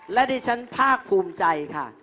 และดิฉันภาคภูมิใจค่ะ